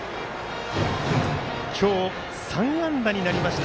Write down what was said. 今日、３安打になりました